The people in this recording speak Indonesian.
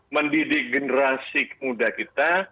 mendidik generasi muda kita